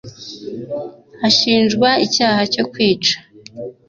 Ashinjwa icyaha cyo kwica.